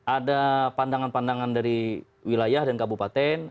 ada pandangan pandangan dari wilayah dan kabupaten